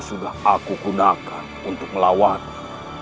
sudah aku gunakan untuk melawanku